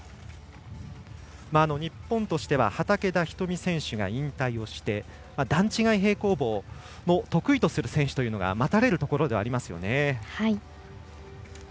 日本としては畠田瞳選手が引退をして段違い平行棒を得意とする選手というのが待たれるところではありますよね。